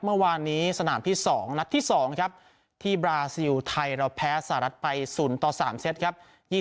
เมื่อวานนี้สนามที่๒นัดที่๒ครับที่บราซิลไทยเราแพ้สหรัฐไป๐ต่อ๓เซตครับ